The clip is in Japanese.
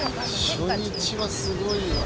初日はすごいわ。